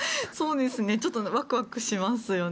ちょっとワクワクしますよね。